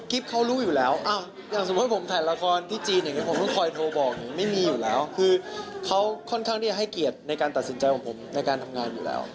เขารู้อยู่แล้วอย่างสมมุติผมถ่ายละครที่จีนอย่างนี้ผมต้องคอยโทรบอกไม่มีอยู่แล้วคือเขาค่อนข้างที่จะให้เกียรติในการตัดสินใจของผมในการทำงานอยู่แล้ว